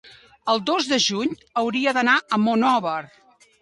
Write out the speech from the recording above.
El dos de juny hauria d'anar a Monòver.